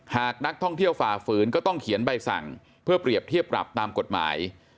หากนักท่องเที่ยวฝ่าฝืนก็ต้องเขียนใบสั่งเพื่อเปรียบเทียบปรับตามกฎหมาย